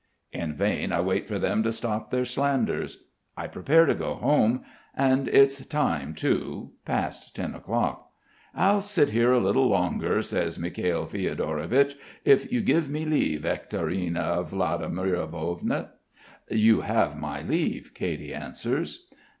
In vain I wait for them to stop their slanders. I prepare to go home. And it's time, too. Past ten o'clock. "I'll sit here a little longer," says Mikhail Fiodorovich, "if you give me leave, Ekaterina Vladimirovna?" "You have my leave," Katy answers.